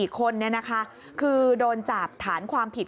๔คนนี้นะคะคือโดนจับฐานความผิด